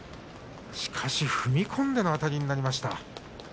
しかし踏み込んでのあたりになりました。